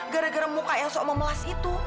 gara gara muka yang sok memelas itu